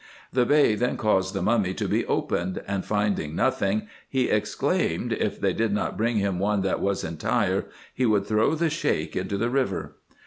The Bey then caused the mummy to be opened, and finding nothing, he exclaimed, if they did not bring him one that was entire, he would throw the Sheik into the river.